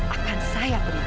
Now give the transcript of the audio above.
akan saya berikan